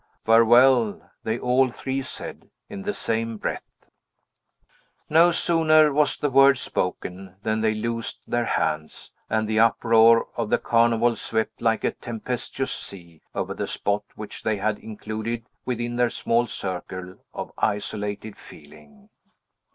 "Farewell!" they all three said, in the same breath. No sooner was the word spoken, than they loosed their hands; and the uproar of the Carnival swept like a tempestuous sea over the spot which they had included within their small circle of isolated feeling.